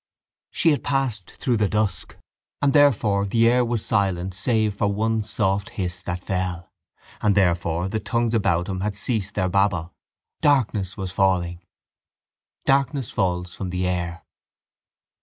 She had passed through the dusk. And therefore the air was silent save for one soft hiss that fell. And therefore the tongues about him had ceased their babble. Darkness was falling. Darkness falls from the air.